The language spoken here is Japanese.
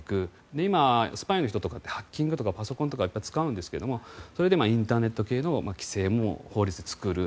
今、スパイの人とかってハッキングとかパソコンとか使うんですがそれでインターネット系の規制も法律で作る。